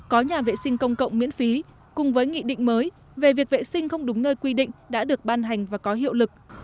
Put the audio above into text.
có nhà vệ sinh công cộng miễn phí cùng với nghị định mới về việc vệ sinh không đúng nơi quy định đã được ban hành và có hiệu lực